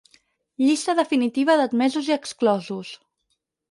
Llista definitiva d'admesos i exclosos.